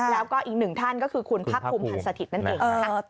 แล้วก็อีกหนึ่งท่านก็คือคุณพักภูมิพันธ์สถิตย์นั่นเองนะคะ